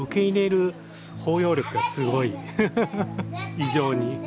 異常に。